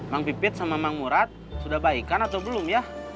mang pipit sama mang murad sudah baik kan atau belum ya